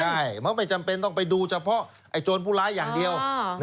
ใช่เพราะไม่จำเป็นต้องไปดูเฉพาะโจรผู้ร้ายอย่างเดียว